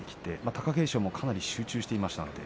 貴景勝も集中していました。